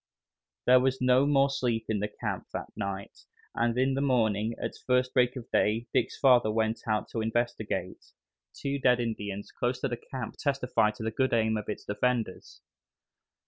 There was no more sleep in the camp that night, and in the morning, at the first break of day, Dick's father went out to investigate. Two dead Indians close to the camp testified to the good aim of its defenders.